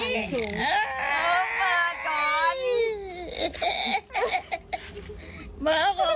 เอาเปิดก่อน